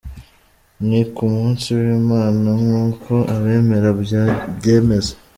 Ni k’umunsi w’imana nk’uko abemera babyemeza